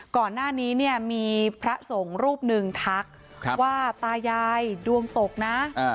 ก่อนหน้านี้เนี่ยมีพระสงฆ์รูปหนึ่งทักว่าตายายดวงตกนะ